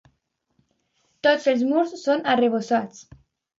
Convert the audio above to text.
Tots els murs són arrebossats.